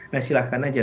nah silahkan saja